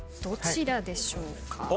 どちらでしょうか？